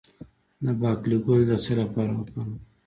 د باقلي ګل د څه لپاره وکاروم؟